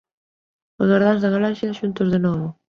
Os gardiáns da Galaxia xuntos de novo.